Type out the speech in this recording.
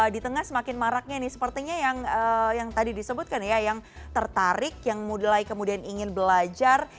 di tengah semakin maraknya nih sepertinya yang tadi disebutkan ya yang tertarik yang mulai kemudian ingin belajar